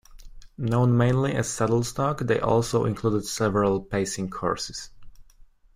Known mainly as saddle stock, they also included several pacing horses.